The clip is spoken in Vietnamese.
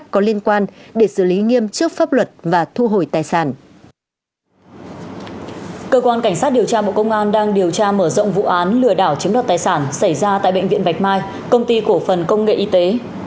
cơ quan cảnh sát điều tra bộ công an đang điều tra mở rộng vụ án lừa đảo chiếm đoạt tài sản xảy ra tại bệnh viện bạch mai công ty cổ phần công nghệ y tế